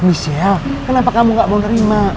michelle kenapa kamu gak mau terima